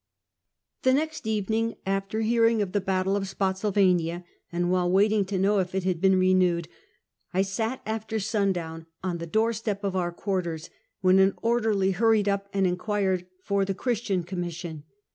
The next evening, after hearing of the battle of Spottsylvania, and while waiting to know if it had been renewed, I sat after sundown on the door step of our quarters, when an orderly hurried up and in quired for the Christian Commission.